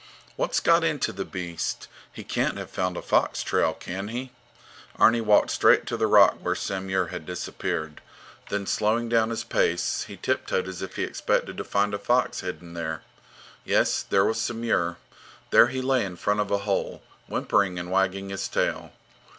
What's got into the beast? He can't have found a fox trail, can he? Arni walked straight to the rock where Samur had disappeared; then slowing down his pace, he tiptoed as if he expected to find a fox hidden there. Yes, there was Samur. There he lay in front of a hole, whimpering and wagging his tail.